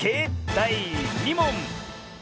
だい２もん！